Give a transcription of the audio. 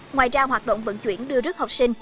ngoài ra hoạt động vận chuyển đưa rước học sinh